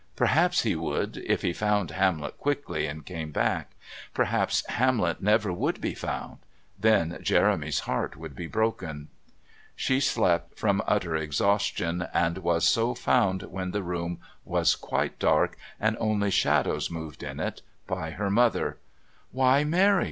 Perhaps he would if he found Hamlet quickly and came back. Perhaps Hamlet never would be found. Then Jeremy's heart would be broken. She slept from utter exhaustion, and was so found, when the room was quite dark and only shadows moved in it, by her mother. "Why, Mary!"